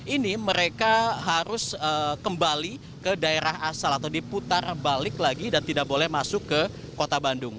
ini mereka harus kembali ke daerah asal atau diputar balik lagi dan tidak boleh masuk ke kota bandung